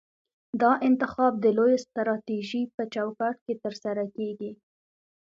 دا انتخاب د لویې سټراټیژۍ په چوکاټ کې ترسره کیږي.